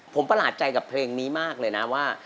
ผมประหลาดใจกับเพลงนี้มากเลยนะว่า